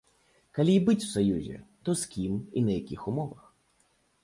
Калі і быць у саюзе, то з кім і на якіх умовах?